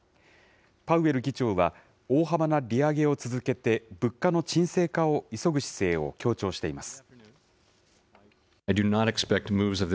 パウエル議長は、大幅な利上げを続けて、物価の沈静化を急ぐ姿勢を強調しています。